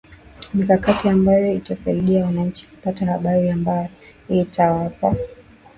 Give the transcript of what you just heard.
mikakati ambayo itasaidia wananchi kupata habari ambayo itawapa